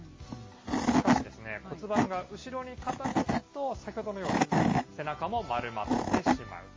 しかしですね、骨盤が後ろに傾くと、先ほどのように背中も丸まってしまう。